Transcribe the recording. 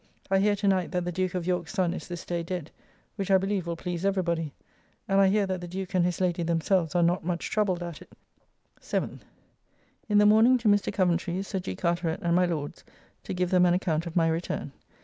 I hear to night that the Duke of York's son is this day dead, which I believe will please every body; and I hear that the Duke and his Lady themselves are not much troubled at it. 7th. In the morning to Mr. Coventry, Sir G. Carteret, and my Lord's to give them an account of my return.